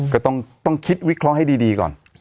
ก็ต้องคิดวิเคราะห์ให้ดีก่อน